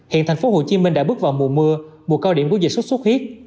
hiện thành phố hồ chí minh đã bước vào mùa mưa mùa cao điểm của dịch xuất xuất huyết